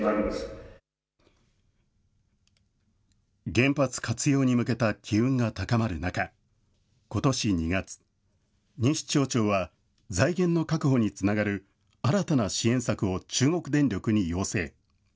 原発活用に向けた機運が高まる中、ことし２月、西町長は財源の確保につながる新たな支援策を中国電力に要請。